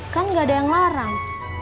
kan gak ada yang larang